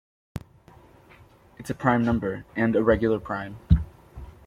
It is a prime number, and a regular prime.